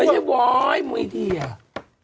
ไม่ใช่โวยมีเดีย